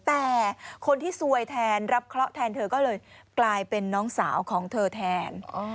แต่คนที่ซวยแทนรับเคราะห์แทนเธอก็เลยกลายเป็นน้องสาวของเธอแทน